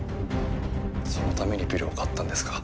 そのためにビルを買ったんですか。